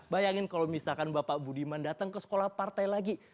bayangin kalau misalkan bapak budiman datang ke sekolah partai lagi